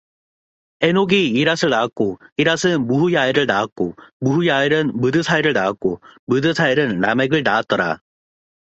에녹이 이랏을 낳았고 이랏은 므후야엘을 낳았고 므후야엘은 므드사엘을 낳았고 므드사엘은 라멕을 낳았더라